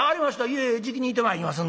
いえいえじきに行ってまいりますんで。